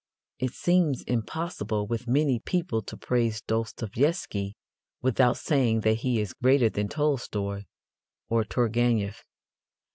It seems impossible with many people to praise Dostoevsky without saying that he is greater than Tolstoy or Turgenev.